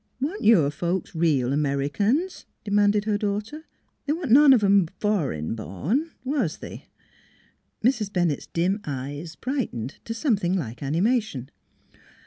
"Wa'n't your folks reel Americans?" de manded her daughter. " The' wa'n't none of 'em fur'n born was they?" Mrs. Bennett's dim eyes brightened to some thing like animation.